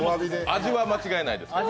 味は間違いないです。